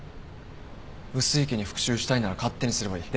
碓井家に復讐したいなら勝手にすればいい。